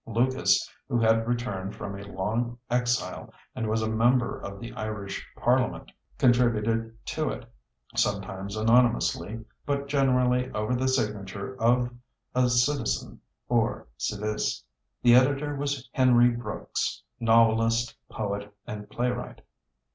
Lucas, who had returned from a long exile and was a member of the Irish parliament, contributed to it, sometimes anonymously but generally over the signature of "A Citizen" or "Civis." The editor was Henry Brooks, novelist, poet, and playwright.